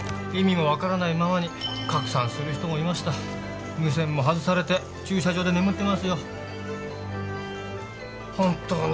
意味も分からないままに拡散する人もいました無線も外されて駐車場で眠ってますよ